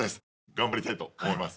頑張りたいと思います。